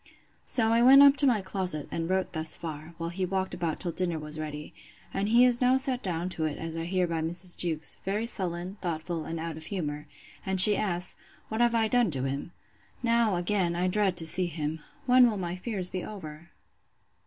So I went up to my closet; and wrote thus far, while he walked about till dinner was ready; and he is now sat down to it, as I hear by Mrs. Jewkes, very sullen, thoughtful, and out of humour; and she asks, What I have done to him?—Now, again, I dread to see him!—When will my fears be over?